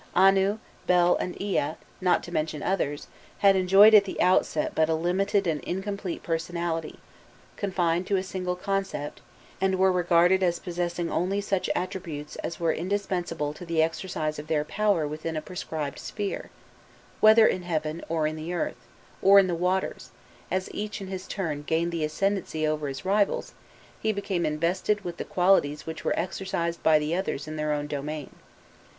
Anu, Bel, and Ea, not to mention others, had enjoyed at the outset but a limited and incomplete personality, confined to a single concept, and were regarded as possessing only such attributes as were indispensable to the exercise of their power within a prescribed sphere, whether in heaven, or on the earth, or in the waters; as each in his turn gained the ascendency over his rivals, he became invested with the qualities which were exercised by the others in their own domain.